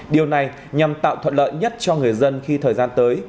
điều này nhằm tạo thuận lợi nhất cho người dân khi thời gian tới